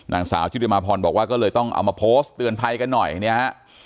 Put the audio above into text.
นางสาวชุติมาพรบอกว่าก็เลยต้องเอามาโพสต์เตือนภัยกันหน่อยเนี่ยฮะ